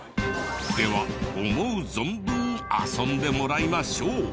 では思う存分遊んでもらいましょう！